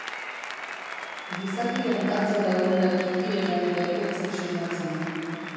Gizakien atzera-aurrera ttikiena ere ez zen sumatzen.